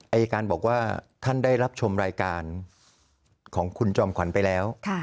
อายการบอกว่าท่านได้รับชมรายการของคุณจอมขวัญไปแล้ว